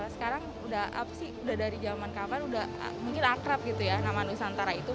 sekarang udah apa sih udah dari zaman kapan udah mungkin akrab gitu ya nama nusantara itu